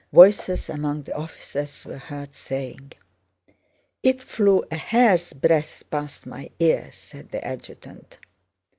—voices among the officers were heard saying. "It flew a hair's breadth past my ear," said the adjutant.